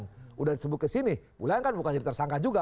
sudah sembuh ke sini pulang kan bukan jadi tersangka juga